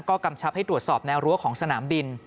ก็กำชับให้ตรวจสอบแนวรั้วของสนามบิน